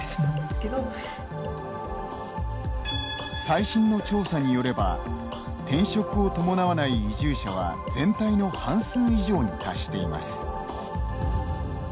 最新の調査によれば転職を伴わない移住者は全体の半数以上に達しています。